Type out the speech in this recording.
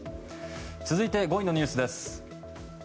続いて５位のニュースです。